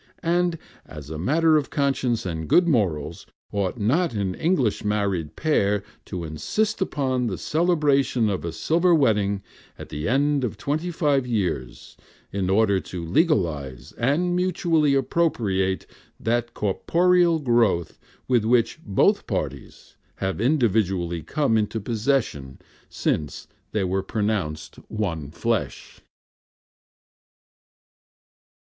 And as a matter of conscience and good morals, ought not an English married pair to insist upon the celebration of a silver wedding at the end of twenty five years in order to legalize and mutually appropriate that corporeal growth of which both parties have individually come into possession since they were pronounced one flesh?